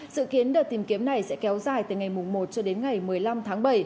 dự kiến đợt tìm kiếm này sẽ kéo dài từ ngày một cho đến ngày một mươi năm tháng bảy